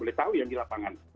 boleh tahu yang di lapangan